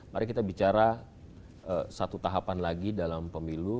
mari kita bicara satu tahapan lagi dalam pemilu